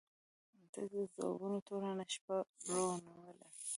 • ته د خوبونو توره شپه روڼولې.